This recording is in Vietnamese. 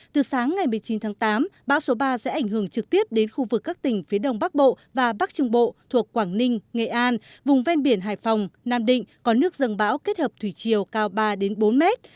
từ sáng ngày một mươi chín tháng tám bão số ba sẽ ảnh hưởng trực tiếp đến khu vực các tỉnh phía đông bắc bộ và bắc trung bộ thuộc quảng ninh nghệ an vùng ven biển hải phòng nam định có nước dần bão kết hợp thủy chiều cao ba bốn mét